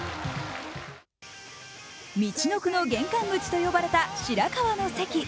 みちのくの玄関口と呼ばれた白河の関。